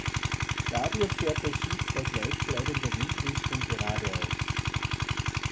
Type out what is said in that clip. Dadurch fährt das Schiff bei gleich bleibender Windrichtung geradeaus.